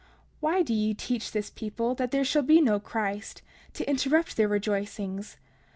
Why do ye teach this people that there shall be no Christ, to interrupt their rejoicings?